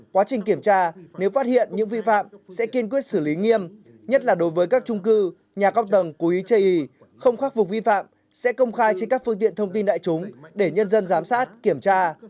quá trình kiểm tra nếu phát hiện những vi phạm sẽ kiên quyết xử lý nghiêm nhất là đối với các trung cư nhà cao tầng cố ý chây ý không khắc phục vi phạm sẽ công khai trên các phương tiện thông tin đại chúng để nhân dân giám sát kiểm tra